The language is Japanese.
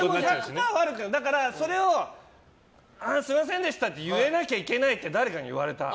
それを、すみませんでした！って言えなきゃいけないって誰かに言われた。